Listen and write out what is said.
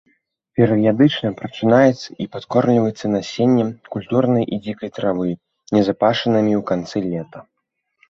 Перыядычна прачынаецца і падкормліваецца насеннем культурнай і дзікай травы, назапашанымі ў канцы лета.